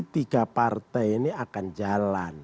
tiga partai ini akan jalan